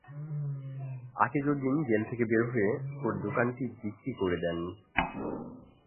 Akijuddin jail থেকে বের হয়ে পুরো দোকানটি বিক্রি করে দেন।